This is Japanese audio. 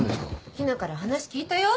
陽菜から話聞いたよ。